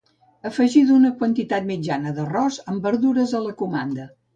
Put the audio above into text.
Afegida una quantitat mitjana d'arròs amb verdures a la comanda.